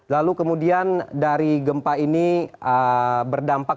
lalu kemudian dari gempa ini berdampak